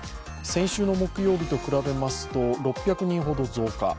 先週の木曜日と比べますと６００人ほど増加。